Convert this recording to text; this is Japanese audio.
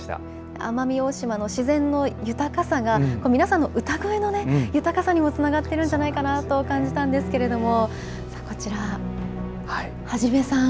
奄美大島の自然の豊かさが、皆さんの歌声の豊かさにもつながってるんじゃないかなと感じたんですけれども、こちら、元さん。